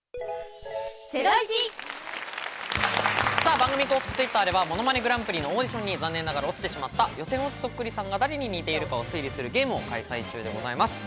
番組公式Ｔｗｉｔｔｅｒでは『ものまねグランプリ』のオーディションに残念ながら落ちてしまった予選落ちそっくりさんが誰に似ているかを推理するゲームを開催中でございます。